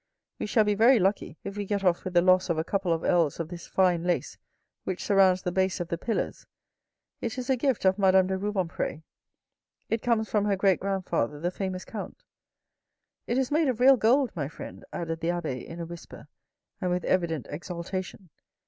We shall be very lucky if we get off with the loss of a couple of ells of this fine lace which surrounds the base of the pillars. It is a gift of Madame de Rubempre. It comes from her great grand father the famous Count. It is made of real gold, my friend," added the abbe in a whisper, and with evident exaltation.